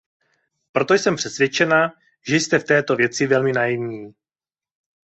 Proto jsem přesvědčena, že jste v této věci velmi naivní.